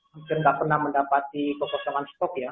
mungkin nggak pernah mendapati kekosongan stok ya